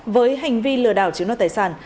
với hành vi lừa đảo chiếu nội tài sản